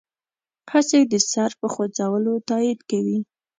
هسې د سر په خوځولو تایید کوي.